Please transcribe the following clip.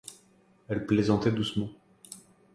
Elle plaisantait doucement.